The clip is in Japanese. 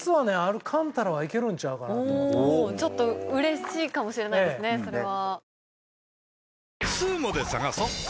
ちょっとうれしいかもしれないですねそれは。